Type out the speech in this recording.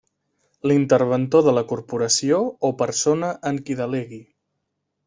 L'Interventor de la Corporació o persona en qui delegui.